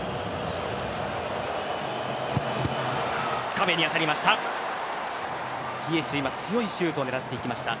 壁に当たりました。